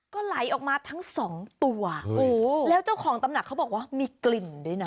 ก็ไหลออกมาทั้งสองตัวโอ้โหแล้วเจ้าของตำหนักเขาบอกว่ามีกลิ่นด้วยนะ